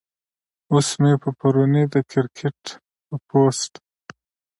اوس مې پۀ پروني د کرکټ پۀ پوسټ